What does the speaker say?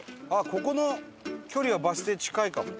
ここの距離はバス停近いかも。